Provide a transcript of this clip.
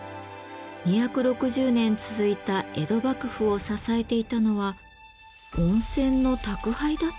２６０年続いた江戸幕府を支えていたのは温泉の「宅配」だった？